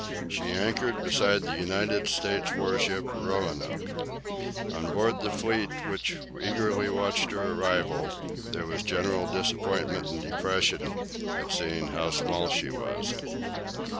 She anchored beside the United States warship "Roanoke." On board the fleet which eagerly watched her arrival there were general disappointment and depression at seeing how small she was.